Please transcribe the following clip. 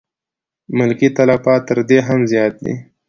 ملکي تلفات تر دې هم زیات دي.